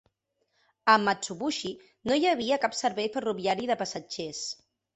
A Matsubushi no hi arriba cap servei ferroviari de passatgers.